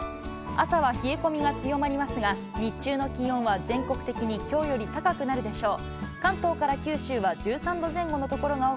朝は冷え込みが強まりますが、日中の気温は全国的にきょうより高くなるでしょう。